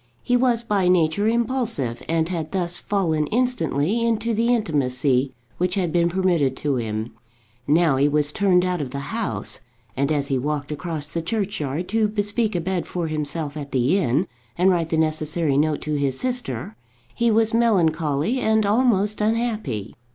He was by nature impulsive, and had thus fallen instantly into the intimacy which had been permitted to him. Now he was turned out of the house; and as he walked across the churchyard to bespeak a bed for himself at the inn, and write the necessary note to his sister, he was melancholy and almost unhappy.